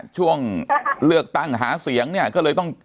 ใช่ค่ะอันนี้ของ